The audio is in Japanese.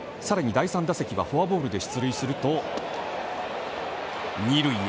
さらに第３打席はフォアボールで出塁すると２塁へ。